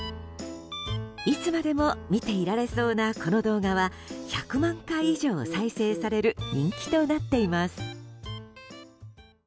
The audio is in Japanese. いつまでも見ていられそうなこの動画は１００万回以上再生される人気となっています。